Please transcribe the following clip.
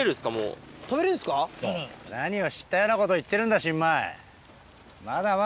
何を知ったようなこと言ってるんだ新米。